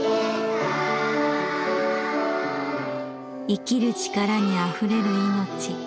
生きる力にあふれる命。